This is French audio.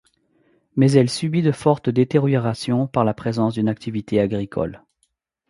Mais elle subit de fortes détériorations par la présence d'une activité agricole.